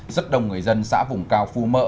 rất đông người dân xã vùng cao phu mỡ